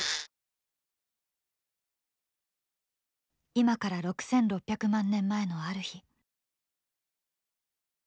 今から６６００万年前のある日。